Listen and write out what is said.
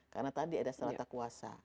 karena tadi ada selata kuasa